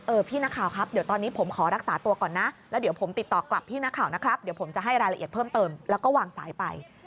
พี่นักข่าวครับเดี๋ยวตอนนี้ผมขอรักษาตัวก่อนนะแล้วเดี๋ยวผมติดต่อกลับพี่นักข่าวนะครับเดี๋ยวผมจะให้รายละเอียดเพิ่มเติมแล้วก็วางสายไป